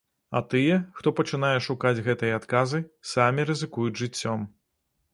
А тыя, хто пачынае шукаць гэтыя адказы, самі рызыкуюць жыццём.